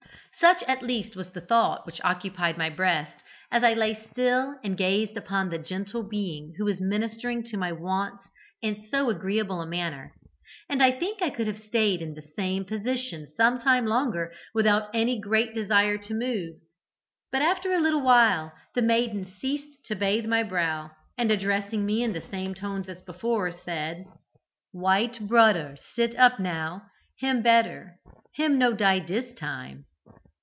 Such at least was the thought which occupied my breast as I lay still and gazed upon the gentle being who was ministering to my wants in so agreeable a manner, and I think I could have stayed in the same position some time longer without any great desire to move. But, after a little while, the maiden ceased to bathe my brow, and addressing me in the same tones as before, said, 'White broder sit up now. Him better. Him no die dis time.'